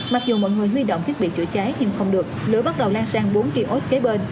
mặc dù mọi người huy động thiết bị chữa cháy nhưng không được lửa bắt đầu lan sang bốn kiosk kế bên